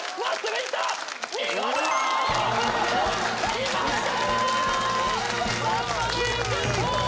きました！